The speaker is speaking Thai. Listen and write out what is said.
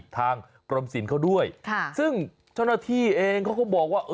ทางกรมศิลป์เขาด้วยซึ่งเจ้าหน้าที่เองเขาก็บอกว่า